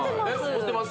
持ってます